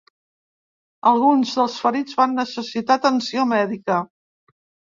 Alguns dels ferits van necessitar atenció mèdica.